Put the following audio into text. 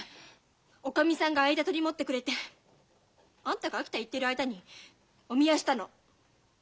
おかみさんが間取り持ってくれてあんたが秋田行ってる間にお見合いしたの。